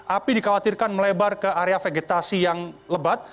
api dikhawatirkan melebar ke area vegetasi yang lebat